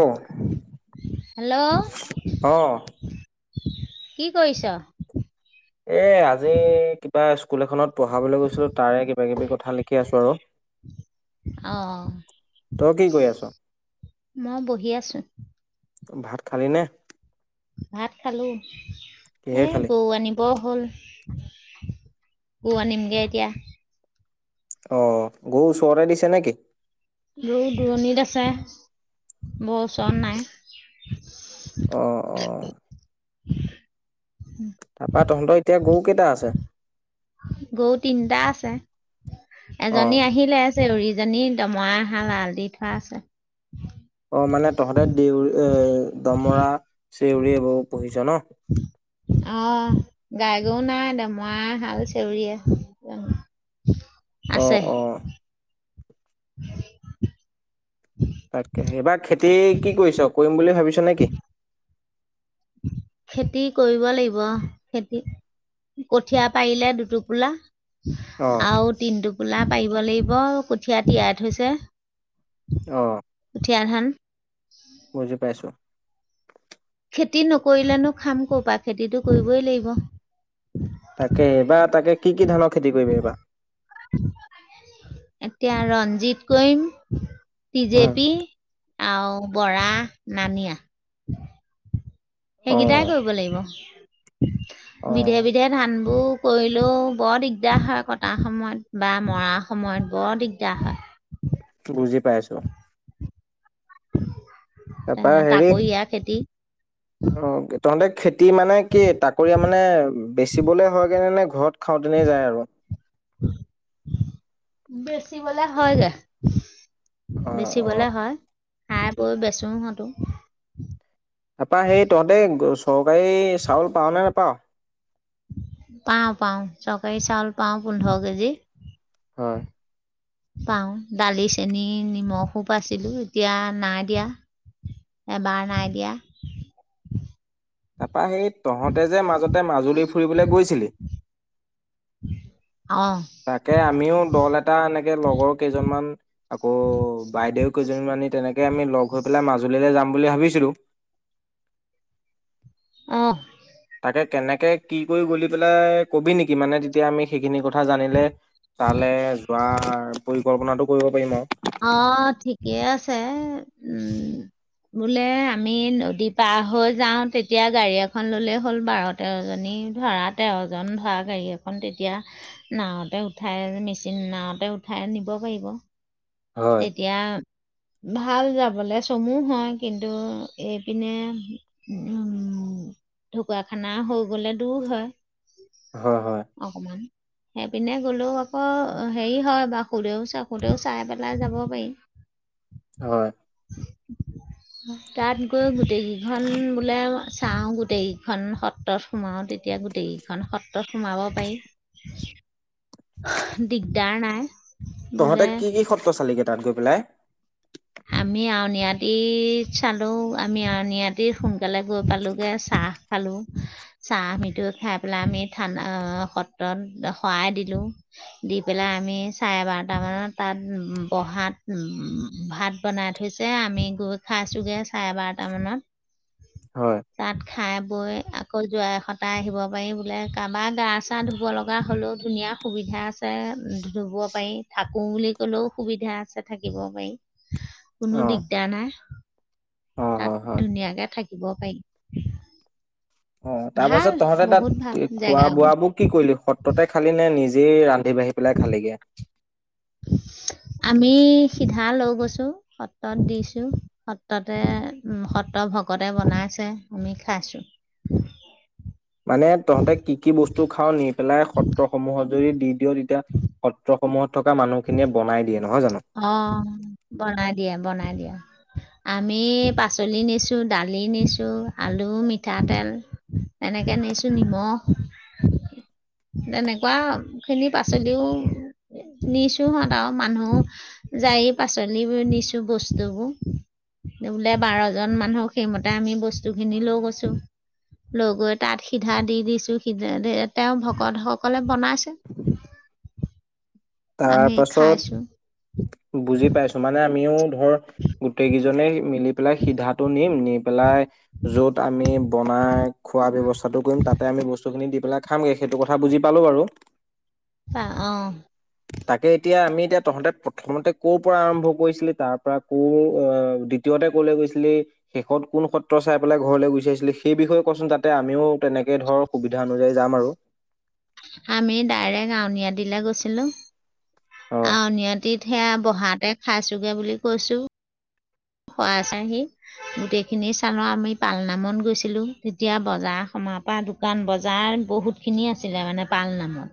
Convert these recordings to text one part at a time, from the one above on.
অ hello. কি কইছ? এ, আজি কি কিবা স্কুল এখনত পঢ়াবলৈ গৈছিলোঁ তাৰে কিবা কিবি কথা লিখি আছোঁ আৰু। অ', তই কি কৰি আছ মই বহি আছো। ভাত খালি নে? ভাত খালো, কিহে এ খালি গৰু আনি অ', হ'ল, গৰু আনিমগে এতিয়া। অ', গৰু ওচৰতে দিছে নে কি? [unintelligible] দূৰণিত আছে, বছ অ', অ'। তাৰপা তহঁতৰ এতিয়া গৰু কেইটা আছে? গৰু তিনটা আছে, অ এজনী আহিলে। চেউৰীজনী দমৰা হাল এয়াল দি থোৱা আছে। অ', মানে তহঁতে দেউৰ এ দমৰা চেউৰী এইবোৰ পুহিছ ন? [unintelligible] অ', গাই গৰু নাই দমৰা এহাল চেউৰি [unintelligible] অ আছে। অ [unintelligible] তাকে, এইবাৰ খেতি কি কৰিছ? কৰিম বুলি ভাবিছ নে কি? খেতি কৰিব লাগিব, খেতি কঠীয়া পাৰিলে দুটোপোলা। অ আৰু তিন টোপোলা পাৰিব লাগিব, কঠীয়া তিয়াই থৈছে। অ'। কঠীয়া ধান। বুজি পাইছোঁ। খেতি নকৰিলেনো খাম কৰপা, খেতিটো কৰিবই লাগিব। তাকে, এইবাৰ তাকে কি কি ধানৰ খেতি কৰিবি এইবাৰ? এতিয়া ৰঞ্জিত কৰিম। টি অ জেপি, আৰু বৰা, নানিয়া। অ সেইকেইটাই কৰিব অ লাগিব। বিধে বিধে ধানবোৰ কৰিলেও বৰ দিগদাৰ হয়, কটা সময়ত বা মৰা সময়ত বৰ দিগদাৰ হয়। বুজি পাইছোঁ। তাৰপা হেৰি, তাকৰীয়া খেতি অ' তহঁতে খেতি মানে কি, তাকৰীয়া মানে বেচিবলে হয়গে নে, নে ঘৰত খাওঁতেনে যায় আৰু? বেছিবলে হয়গে। অ অ বেচিবলে হয়, খাই বৈ বেচো হঁতো। তাৰপা সেই, তহঁতে চৰকাৰী চাউল পাঅ' নে নেপাঅ'? পাওঁ, পাওঁ, চকাৰী চাউল পাওঁ পোন্ধৰ কেজি। হয়। পাওঁ, দালি, চেনি নিমখো, পাইছিলোঁ, এতিয়া নাই দিয়া। এবাৰ নাই দিয়া। তাৰপা সেই তহঁতে যে মাজতে মাজুলী ফুৰিবলৈ গৈছিলি অ'। তাকে আমিও দল এটা এনেকে লগৰ কেইজনমান আকৌ বাইদেউ কেইজনীমানি তেনেকে আমি লগ হৈ পেলাই মাজুলীলৈ যাম বুলি ভাবিছিলোঁ। অ'। তাকে কেনেকে কি কৰি গ'লি পেলাই ক'বি নেকি মানে তেতিয়া আমি সেইখিনি কথা জানিলে তালে যোৱাৰ পৰিকল্পনাটো কৰিব পাৰিম আৰু। অ', ঠিকেই আছে, উম। বোলে আমি নদী পাৰ হৈ যাওঁ তেতিয়া গাড়ী এখন ল'লে হ'ল বাৰ তেৰজনী ধৰা তেৰজন, ধৰা গাড়ী এখন তেতিয়া নাঁৱতে উঠাই, মেচিন নাঁৱ উঠাই নিব পাৰিব। হয়, তেতিয়া ভাল যাবলে, চমু হয় কিন্তু এইপিনে উম, ঢকুৱাখানা হৈ গ'লে দূৰ হয়। হয়, হয়। অকমান। সেইপিনে গ'লেও আকৌ হেৰি হয় বা সুদেও বাসুদেও চাই পেলা পেলাই যাব পাৰি। হয়। [inaudible] তাত গৈ গোটেইকেইখন বোলে, চাওঁ গোটেইকেইখন সত্ৰত সোমাওঁ, তেতিয়া গোটেইখন সত্ৰত সোমাব পাৰি। দিগদাৰ নাই। তহঁতে বোলে কি কি সত্ৰ চালিগে তাত গৈ পেলাই? আমি আউনীআটীত চালোঁ, আমি আউনীআটী সোনকালে গৈ পালোগে চাহ খালোঁ। চাহ মিটো খাই পেলাই আমি থান সত্ৰত শৰাই দিলোঁ। দি পেলাই আমি চাৰে বাৰটামানত তাত বহাত ভাত বনাই থৈছে, আমি গৈ খাইছোঁগে চাৰে বাৰটা মানত। হয়। তাত খাই বৈ আকৌ জোৰাই সতাই আহিব পাৰি, বোলে কাৰোবাৰ গা চা ধুব লগা হ'লেও ধুনীয়া সুবিধা আছে ধুব পাৰি। থাকোঁ বুলি ক'লেও সুবিধা আছে থাকিব পাৰি। কোনো অ', দিগদাৰ নাই, অ', হয়, হয়। তাত ধুনীয়াকে থাকিব পাৰি। অ', ভাল তাৰপাছত তহঁতে বহুত ভাল তাত খোৱা জেগাবোৰ বোৱাবোৰ কি কৰিলি, সত্ৰতে খালিনে নিজেই ৰান্ধি বাঢ়ি পেলাই খালিগে? আমি সিধা লৈ গৈছোঁ, সত্ৰত দিছোঁ। সত্ৰতে, উম, সত্ৰৰ ভকতে বনাইছে, আমি খাইছোঁ। মানে তহঁতে কি কি বস্তু খাওঁ নি পেলাই সত্ৰসমূহত যদি দি দিয় তেতিয়া সত্ৰ সময়ত থকা মানুহখিনিয়ে বনাই দিয়ে নহয় জানো। অ', বনাই দিয়ে, বনাই দিয়ে। আমি পাচলি নিছোঁ, দালি নিছোঁ, আলু, মিঠাতেল এনেকে নিছোঁ নিমখ। তেনেকুৱাখিনি পাচলিও নিছোঁ হত আৰু মানুহো যায়ে পাচলিবোৰ নিছোঁ বস্তুবোৰ। বোলে বাৰজন মানুহক সেইমতে আমি বস্তুখিনি লৈ গৈছোঁ। লৈ গৈ তাত সিধা দি দিছোঁ, সিধা তেওঁ ভকতসকলে বনাইছে। আমি খাইছোঁ তাৰপাছত বুজি পাইছোঁ, মানে আমিও ধৰ গোটেইকেইজনে মিলি পেলাই সিধাটো নিম, নি পেলাই য'ত আমি বনাই খোৱা ব্যৱস্থাটো কৰিম, তাতে আমি বস্তুখিনি দি পেলাই খামগে সেইটো কথা বুজি পালোঁ বাৰু। আ, অ'। তাকে এতিয়া আমি এতিয়া তহঁতে প্ৰথমতে ক'ৰ পৰা আৰম্ভ কৰিছিলি, তাৰ পৰা ক আ, দি দ্বিতীয়তে কলৈ গৈছিলি শেষত কোন সত্ৰ চাই পেলাই ঘৰলৈ গুচি আহছিলি, সেই বিষয়ে কচোন? যাতে আমিও তেনেকে ধৰ সুবিধা অনুযায়ী যাম আৰু। আমি ডাইৰেক্ট আউনীআটীলে গৈছিলোঁ। অ আউনীআটীত সেইয়া বহাতে খাইছোগে বুলি কৈছো। শৰাই চাকি। গোটেইখিনি চালোঁ, আমি পালনামত গৈছিলোঁ। যেতিয়া বজাৰ- সমাৰ পৰা আদি কাৰণ বজাৰত বহুত খিনি আছিলে মানে পাল নামত।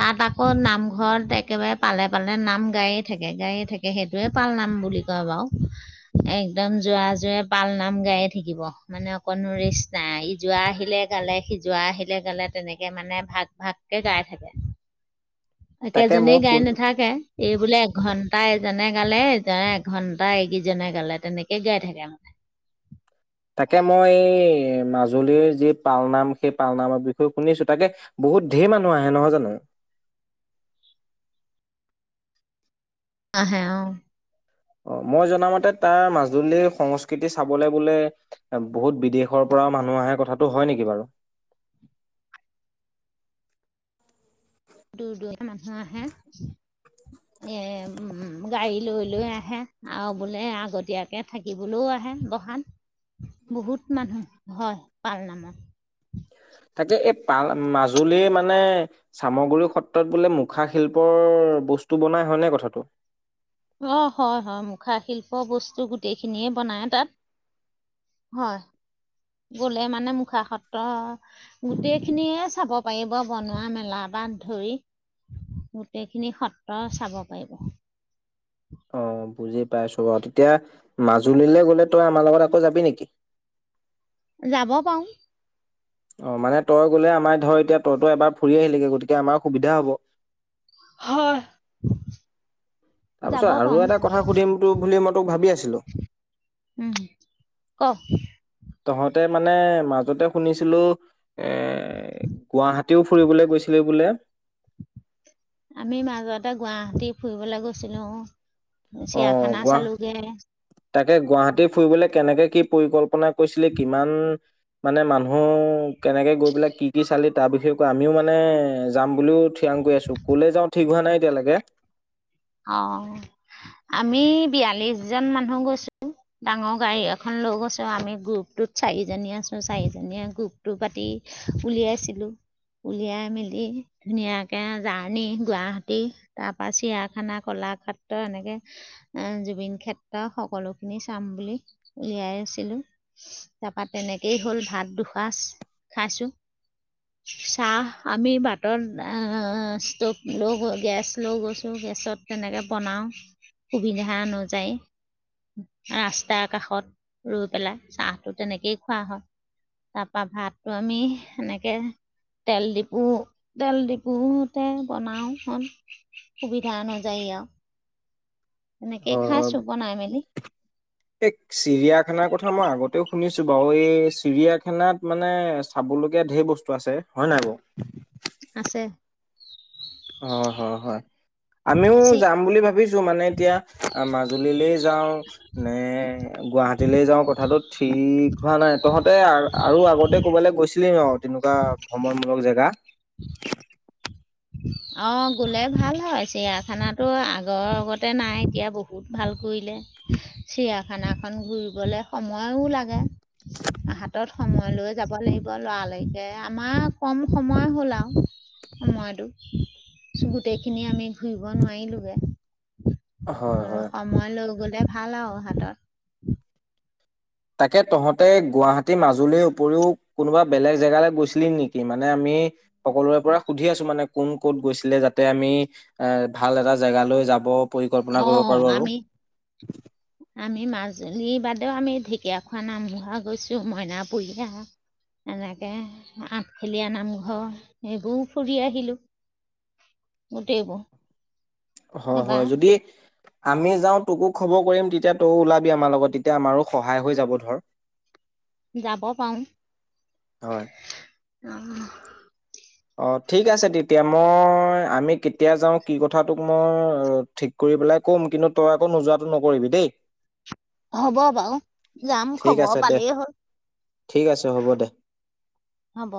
তাত আকৌ নামঘৰত, একেবাৰে পালে- পালে নাম গাইয়ে থাকে, গাইয়ে থাকে। তে সেইটোয়ে পাল নাম বুলি কয় বাৰু। একদম জোৰা- জোৰে পাল নাম গাই থাকিব। মানে অকণো ৰেষ্ট নাই, ই জোৰা আহিলে গালে যোৰা আহিলে গালে, তেনেকে মানে ভাগ- ভাগকে গাইয়ে থাকে। তাকে একেজনে মই গাই শুন নাথাকে। এই বোলে এঘন্টা এজনে গালে এজনে এঘন্টা টা, এই কিজনে গালে, তেনেকে গাই থাকে মানে। তাকে মই এই মাজুলীৰ যি পালনাম, সেই পালনামৰ বিষয়ে শুনিছো। তাকে বহুত ঢেৰ মানুহ আহে, নহয় জানো? আহে, অ। অ, মই জনামতে তাৰ মাজুলীৰ সংস্কৃতি চাবলে বোলে বহুত বিদেশৰ পৰাও মানুহ আহে, কথাটো হয় নেকি বাৰু? দূৰ- দূৰনিৰ মানুহ আহে। এ উম, গাড়ীত লৈ- লৈ আহে, আৰু বোলে আগতীয়াকে থাকিবলৈও আহে বহান। বহুত মানুহ হয়, পাল নামত। তাকে, এই পাল মাজুলীৰ মানে চামুগুৰি সত্ৰত বোলে, মুখা শিল্পৰ বস্তু বনাই হয়নে কথাটো? অ, হয়- হয়, মুখা শিল্পৰ বস্তু গোটেইখিনিয়ে বনাই তাত। হয়, গলে মানে মুখা সত্ৰ গোটেই খিনিয়ে চাব পাৰিব, বনোৱা মেলা পৰা ধৰি। গোটেইখিনি সত্ৰ চাব পাৰিব। অ, বুজি পাইছো বাৰু। তেতিয়া মাজুলীলৈ গ'লে তই আমাৰ লগত আকৌ যাবি নেকি? যাব পাৰোঁ। অ, মানে তই গ'লে আমাৰ ধৰ, এতিয়া তইতো এবাৰ ফুৰি আহিলেগে। গতিকে আমাৰ সুবিধা হ'ব। হয়। তাৰ যাব পিছত আৰু পাৰোঁ এটা কথা সুধিম তো, বুলি মই তোক ভাৱি আছিলো। উম, ক? তহঁতে মানে মাজতে শুনিছিলো। এ গুৱাহাটীও ফুৰিবলৈ গৈছিলি বোলে। আমি মাজতে গুৱাহাটীলৈ ফুৰিবলৈ গৈছিলো। অ। অ চিৰিয়াখানা গুৱাহ চালোঁগে তাকে, গুৱাহাটী ফুৰিবলে কেনেকে কি পৰিকল্পনা কৰিছিলে কিমান মানে মানুহ, কেনেকে গৈ পেলাই কি কি চালি? তাৰ বিষয়ে কৈ আমিও মানে যাম বুলিও থিৰাং কৰি আছোঁ। ক'লে যাওঁ, ঠিক হোৱা নাই এতিয়ালৈকে। অ, আমি বিয়াল্লিশ জন মানুহ গৈছোঁ। ডাঙৰ গাড়ী এখন লৈ গৈছো। আমি গ্ৰুপটোত চাৰিজনী আছো। চাৰিজনীয়ে গ্ৰুপটো পাতি উলিয়াইছিলো। উলিয়াই মেলি ধুনীয়াকে জাৰ্ণি গুৱাহাটী, তাৰপৰা চিৰিয়া খানা কলাক্ষেত্ৰ‌ এনেকে, আহ, জুবিন ক্ষেত্ৰ, সকলোখিনি চাম বুলি উলিয়াই আছিলো। তাপা তেনেকেই হ'ল, ভাত দুসাঁজ খাইছো। চাহ আমি, বাতত আ ষ্টভ লৈ গ গেছ লৈ গৈছোঁগে। পাছত, তেনেকে বনাও সুবিধা অনুযায়ী। ৰাস্তাৰ কাষত ৰৈ পেলাই, চাহটো তেনেকেই খোৱা হয়। তাপা, ভাতটো আমি সেনেকে তেল ডিপু, তেল ডিপু তে বনাওঁখন যা অনুযায়ী আৰু অ এনেকেই খাইছো বনাই মেলি। এই, চিৰিয়াখানাৰ কথা মই আগতেও শুনিছো বাৰু, এই চিৰিয়াখানাত মানে চ চাবলগীয়া ঢেৰ বস্তু আছে, হয় নাই বাৰু? আছে। অ', হয়, হয়, আমিও যাম বুলি ভাবিছ চো মানে এতিয়া, মাজুলীলে যাওঁ নে গুৱাহাটীলে যাওঁ, কথাটো ঠিক হোৱা নাই, তহঁতে আৰু আৰু আগতে ক'বালে গৈছিল কিলে আও তেনেকুৱা ভ্ৰমণমূলক জেগা। অ', গলে ভাল হয়, চিৰিয়াখানাতো আগৰ গতে নাই, এতিয়া ব [unintelligible] ভাল কৰিলে চিৰিয়াখানাখন ঘূৰিবলে সময়ও লাগে। হাতত সময় লৈ যাব লাগিব, লৰালৰিকে আমাৰ কম সময় হ'ল আৰু সময়তো, গোটেইখিনি আমি ঘুৰিব নোৱাৰিলোগে। হয় হয় [unintelligible] সময় লৈ গলে ভাল আৰু হাতত। তাকে তহঁতে গুৱাহাটী, মাজুলীৰ উপৰিও কোনোবা বেলেগ জেগালে গৈছিলি নেকি মানে আমি সকলোৰে পৰা সুধি আছো, মানে কোন ক'ত গৈছিলে যাতে আমি এ, ভাল এটা জেগালৈ যাব, পৰিকল্পনা কৰিব অঁ পাৰো আৰু আমি আমি মাজুলীৰ বাদেও, আমি ঢেকীয়াখোৱা নামঘৰ গৈছো মইনাপুৰীয়া এনেকে, আঠখেলীয়া নামঘৰ সেইবোৰো ফুৰি আহিলোঁ। গোটেই বোৰ। হয়, হয়, যদি আমি যাওঁ, তোকো খবৰ কৰিম, তেতিয়া তইয়ো ওলাবি আমাৰ লগত, তেতিয়া আমাৰো সহায় হৈ যাব ধৰ। যাব পাৰো। হয়। অ' অ', ঠিক আছে তেতিয়া, মই আমি কেতিয়া যাওঁ কি কথা টোক মই ঠিক কৰি পেলাই কম, কিন্তু তই আকৌ নোযোৱাটো নকৰিবি দেই। [unintelligible] হ'ব বাৰু, যাম ঠিক খবৰ আছে দে পালেই ঠিক আছে হ'ব দে। হ'ল। হ'ব।